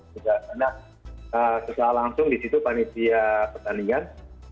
sudah pernah sesuai langsung di situ panitia pertandingan